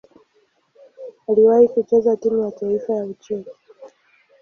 Aliwahi kucheza timu ya taifa ya Ucheki.